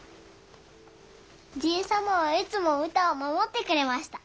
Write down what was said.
じいさまはいつもうたを守ってくれました。